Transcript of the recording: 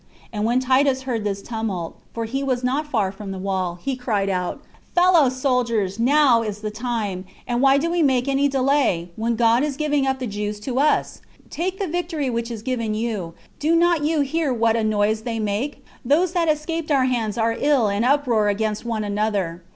And when Titus heard this tumult, for he was not far from the wall, he cried out, "Fellow soldiers, now is the time; and why do we make any delay, when God is giving up the Jews to us? Take the victory which is given you: do not you hear what a noise they make? Those that have escaped our hands are in an uproar against one another.